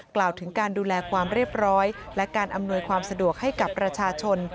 กล่าวถึงการดูแลความเรียบร้อยและการอำนวยความสะดวกให้กับประชาชน